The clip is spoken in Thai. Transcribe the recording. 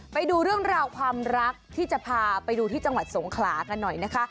ไปดูเรื่องราวความรักที่จะพาไปดูที่จังหวัดสงขลากันหน่อยนะคะ